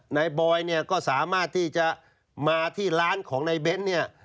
นายบอยก็สามารถที่จะมาที่ร้านของในเบน